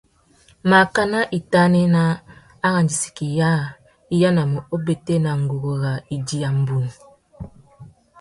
Makana itānê nà arandissaki yâā i yānamú ubétēna nguru râ idiya mbunu.